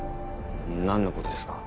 何のことですか？